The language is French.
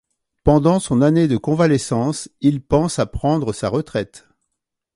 Pendant son année de convalescence, il pense à prendre sa retraite.